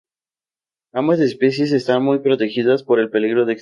Ambas especies están muy protegidas por el peligro de extinción.